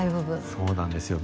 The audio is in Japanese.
そうなんですよ。